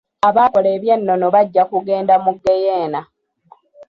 Abaakola ebyonoono bajja kugenda mu geyena.